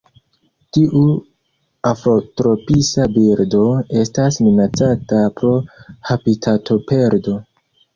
Tiu afrotropisa birdo estas minacata pro habitatoperdo.